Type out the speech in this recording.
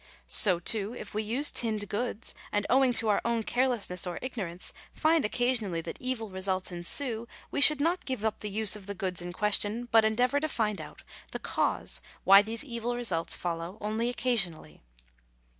So, too, if we use tinned goods, and owing to our own carelessness or ignorance find occasionally that evil results ensue, we should not give up the use of the goods in question, but endeavour to find out the cause why these evil results follow only occasionally.